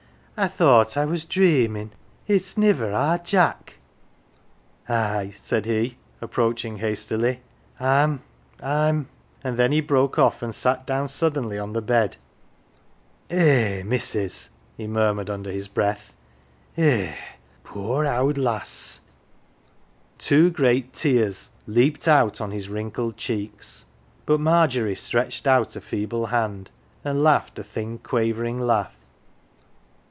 " I thought I was dreamin'. It's niver our Jack !"" Ay," said he, approaching hastily, " I'm I'm And then he broke off, and sat down suddenly on the 138 "THE GILLY F'ERS" bed, " Eh, missus !" he murmured under his breath, " eh, poor owd lass !" Two great tears leaped out on his wrinkled cheeks ; but Margery stretched out a feeble hand, and laughed a thin quavering laugh.